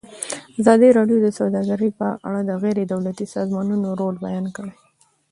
ازادي راډیو د سوداګري په اړه د غیر دولتي سازمانونو رول بیان کړی.